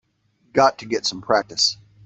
Got to get some practice.